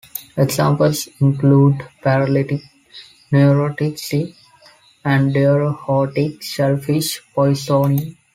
Examples include paralytic, neurotoxic, and diarrhoetic shellfish poisoning.